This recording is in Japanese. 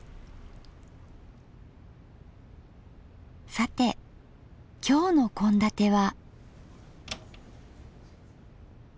さて今日の献立は。